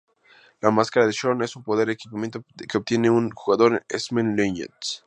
La máscara de Xorn es un "poder-equipamiento" que obtiene un jugador en X-Men Legends.